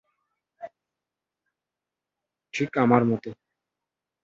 ঠিক আমার মত।